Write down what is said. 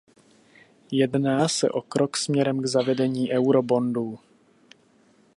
Jedná se o krok směrem k zavedení eurobondů.